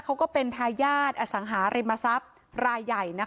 เขาก็เป็นทายาทอสังหาริมทรัพย์รายใหญ่